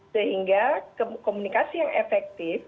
sehingga komunikasi yang efektif